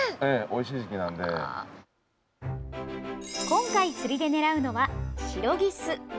今回釣りで狙うのはシロギス。